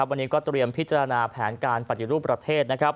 วันนี้ก็เตรียมพิจารณาแผนการปฏิรูปประเทศ